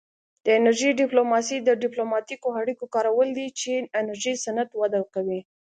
د انرژۍ ډیپلوماسي د ډیپلوماتیکو اړیکو کارول دي چې د انرژي صنعت وده کوي